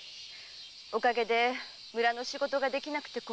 おかげで村の仕事ができなくて困ってるんです。